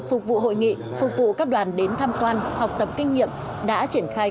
phục vụ hội nghị phục vụ các đoàn đến thăm toàn học tập kinh nghiệm đã triển khai